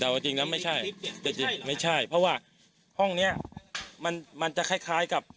แต่ว่าจริงแล้วไม่ใช่แต่จริงไม่ใช่เพราะว่าห้องเนี้ยมันมันจะคล้ายคล้ายกับ